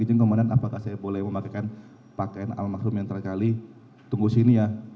izin kemudian apakah saya boleh memakaikan pakaian alam maksum yang terkali tunggu sini ya